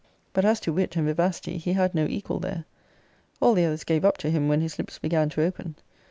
But as to wit and vivacity, he had no equal there. All the others gave up to him, when his lips began to open.